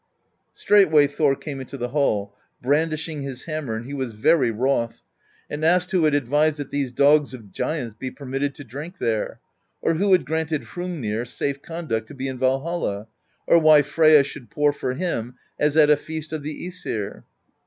"Straightway Thor came into the hall, brandishing his hammer, and he was very wroth, and asked who had ad vised that these dogs of giants be permitted to drink there, or who had granted Hrungnir safe conduct to be in Valhall, or why Freyja should pour for him as at a feast of the ^sir.